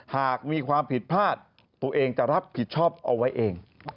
หากมีความผิดพลาดตัวเองจะรับผิดชอบเอาไว้เอง